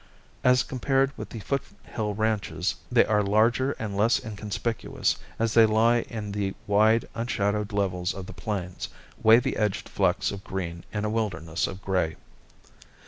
As compared with the foothill ranches, they are larger and less inconspicuous, as they lie in the wide, unshadowed levels of the plains—wavy edged flecks of green in a wilderness of gray.